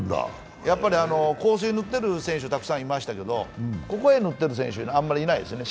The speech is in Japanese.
香水を塗ってる選手はたくさんいましたけど、ここへ塗ってる選手はあまりいないですよね。